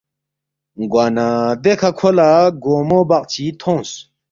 گوانہ دیکھہ کھو لہ گونگمو بقچی تھونگس